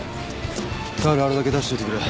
タオルあるだけ出しといてくれ。